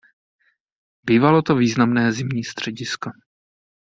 Bývalo to významné zimní středisko.